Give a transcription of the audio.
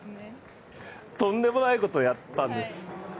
とんでもないことやったんです。